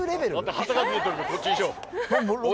旗が出てるからこっちにしよう。